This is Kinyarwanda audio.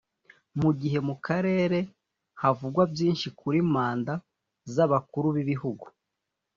Mu gihe mu karere havugwa byinshi kuri mandat z’abakuru b’ibihugu